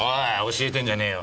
教えてんじゃねえよ。